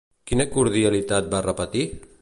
Quina cordialitat va repetir?